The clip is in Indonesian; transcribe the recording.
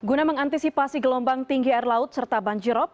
guna mengantisipasi gelombang tinggi air laut serta banjirop